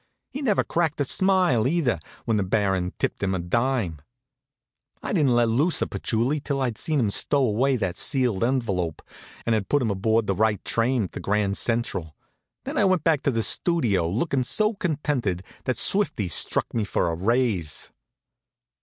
He never cracked a smile, either, when the Baron tipped him a dime. I didn't let loose of Patchouli until I'd seen him stow away that sealed envelope, and had put him aboard the right train at the Grand Central. Then I went back to the Studio lookin' so contented that Swifty struck me for a raise.